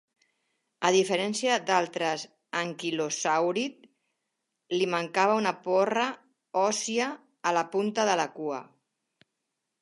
A diferència d'altres anquilosàurids, li mancava una porra òssia a la punta de la cua.